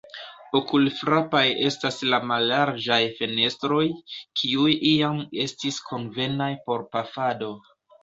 Okulfrapaj estas la mallarĝaj fenestroj, kiuj iam estis konvenaj por pafado.